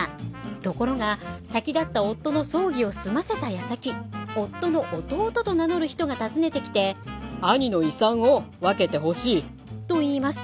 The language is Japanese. ところが先立った夫の葬儀を済ませたやさき夫の弟と名乗る人が訪ねてきてと言います。